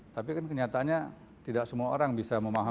tapi kan kenyataannya tidak semua orang bisa menghadapi covid